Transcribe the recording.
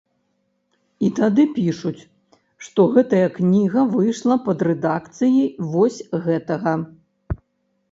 І тады пішуць, што гэтая кніга выйшла пад рэдакцыяй вось гэтага.